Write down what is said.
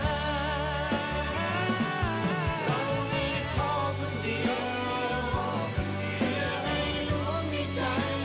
เรามีพ่อคนเดียวเพื่อให้หลวงในใจ